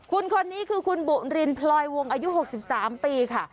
คุณคนนี้คือคุณบุรินร์พลอยวงอายุหกสิบสามปีค่ะ